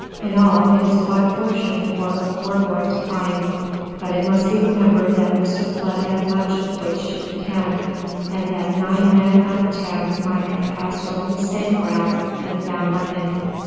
In all it is quite a fortune for a poor boy to find, but it must be remembered that Mr. Flood had much with which to contend, and that nine men out of ten might have passed over the same ground and found nothing.